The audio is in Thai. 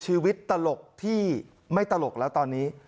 ชีวิตตลกที่ไม่ตลกแล้วตอนนี้